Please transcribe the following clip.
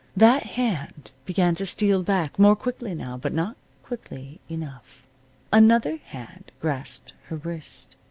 That hand began to steal back, more quickly now. But not quickly enough. Another hand grasped her wrist.